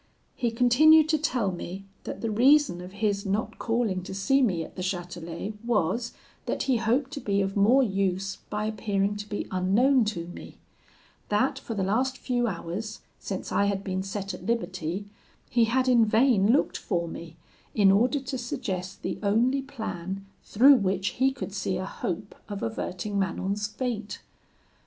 He continued to tell me, that the reason of his not calling to see me at the Chatelet was, that he hoped to be of more use by appearing to be unknown to me; that for the last few hours, since I had been set at liberty, he had in vain looked for me, in order to suggest the only plan through which he could see a hope of averting Manon's fate.